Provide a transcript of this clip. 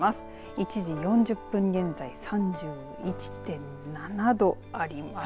１時４０分現在３１．７度あります。